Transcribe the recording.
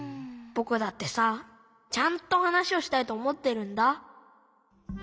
☎ぼくだってさちゃんと話をしたいとおもってるんだ。